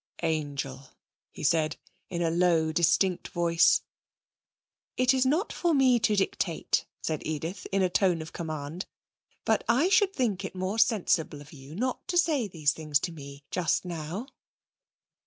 'Angel!' he said, in a low, distinct voice. 'It is not for me to dictate,' said Edith, in a tone of command, 'but I should think it more sensible of you not to say these things to me just now.'